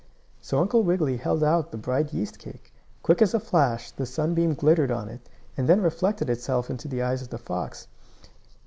So Uncle Wiggily held out the bright yeast cake. Quick as a flash the sunbeam glittered on it, and then reflected itself into the eyes of the fox.